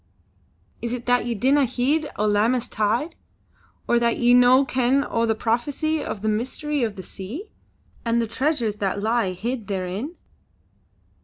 Is it that ye dinna heed o' Lammas tide, or that ye no ken o' the prophecy of the Mystery of the Sea and the treasures that lie hid therein."